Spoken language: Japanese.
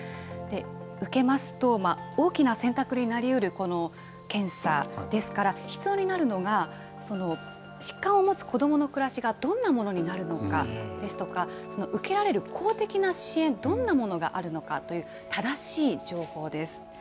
受けますと、大きな選択になりうるこの検査ですから、必要になるのが、疾患を持つ子どもの暮らしがどんなものになるのかですとか、受けられる公的な支援、どんなものがあるのかという、正しい情報です。